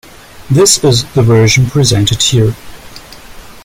This is the version presented here.